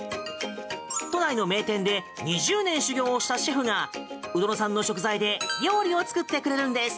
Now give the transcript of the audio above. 都内の名店で２０年修行をしたシェフが鵜殿さんの食材で料理を作ってくれるんです。